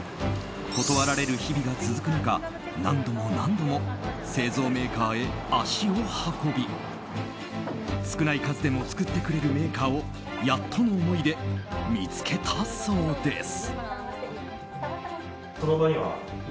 断られる日々が続く中何度も何度も製造メーカーへ足を運び少ない数でも作ってくれるメーカーを、やっとの思いで見つけたそうです。